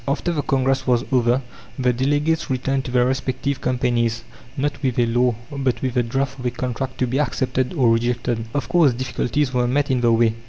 After the congress was over, the delegates returned to their respective companies, not with a law, but with the draft of a contract to be accepted or rejected. Of course difficulties were met in the way.